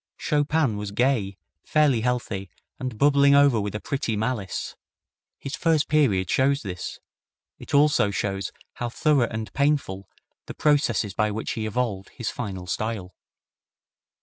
Chopin was gay, fairly healthy and bubbling over with a pretty malice. His first period shows this; it also shows how thorough and painful the processes by which he evolved his final style.